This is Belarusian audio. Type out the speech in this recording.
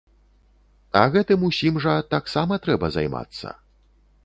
А гэтым усім жа таксама трэба займацца.